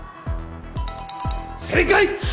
正解！